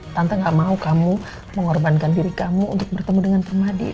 tante gak mau kamu mengorbankan diri kamu untuk bertemu dengan permadi